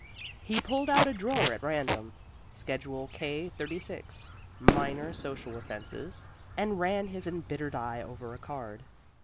He pulled out a drawer at random Schedule K 36, Minor Social Offenses and ran his embittered eye over a card.